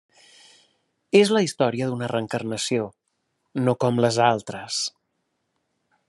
És la història d'una reencarnació, no com les altres.